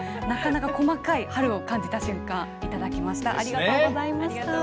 なかなか細かい春を感じた瞬間、いただきました。